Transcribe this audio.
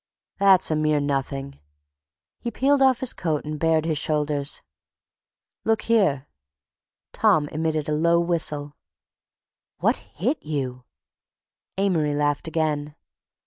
"That's a mere nothing." He peeled off his coat and bared his shoulders. "Look here!" Tom emitted a low whistle. "What hit you?" Amory laughed again.